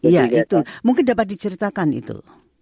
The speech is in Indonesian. ya itu mungkin dapat diceritakan itu